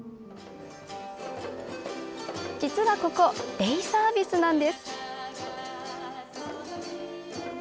実はここ、デイサービスなんです。